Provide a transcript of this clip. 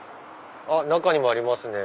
中にもありますね。